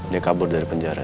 dia kabur dari penjara